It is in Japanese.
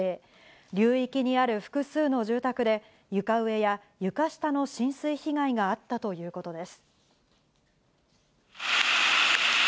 流域にある複数の住宅で、床上や床下の浸水被害があったということです。